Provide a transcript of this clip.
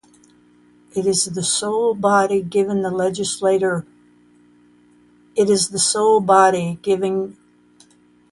It is the sole body given the legislative prerogatives by the Turkish Constitution.